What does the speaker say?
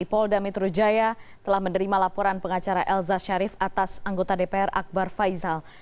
pol damitrujaya telah menerima laporan pengacara elza sharif atas anggota dpr akbar faisal